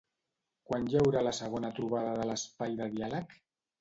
Quan hi haurà la segona trobada de l'Espai de Diàleg?